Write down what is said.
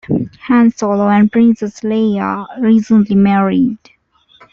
Han Solo and Princess Leia are recently married.